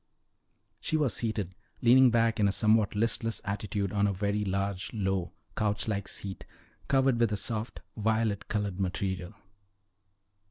She was seated, leaning back in a somewhat listless attitude, on a very large, low, couch like seat, covered with a soft, violet colored material.